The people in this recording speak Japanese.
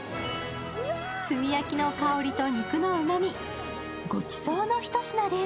炭焼きの香りと肉のうまみ、ごちそうのひと品です。